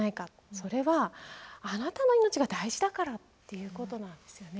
それはあなたの命が大事だからっていうことなんですよね。